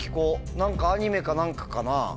何かアニメか何かかなぁ？